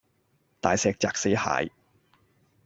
大石砸死蟹